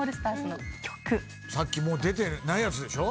さっき出てないやつでしょ？